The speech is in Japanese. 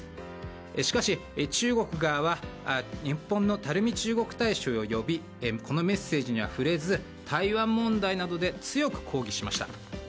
しかし、中国側は日本の垂中国大使を呼びこのメッセージには触れず台湾問題などで強く抗議しました。